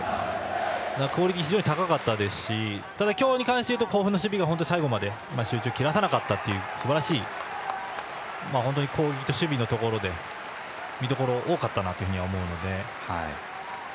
クオリティーが非常に高かったですし今日に関して言いますと甲府の守備が最後まで集中を切らさなかったというすばらしい攻撃と守備のところで見どころが多かったなと思うので。